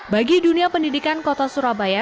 bagi dunia pendidikan kota surabaya